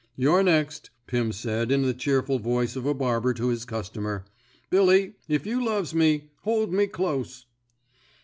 You're next," Pirn said, in the cheerful voice of a barber to his customer. Billy, if you loves me, hold me close."